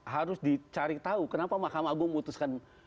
harus dicari tahu kenapa mahkamah agung memutuskan